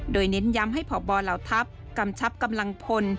โดยเน้นย้ำให้พบเหล่าทัพกำชับกำลังพล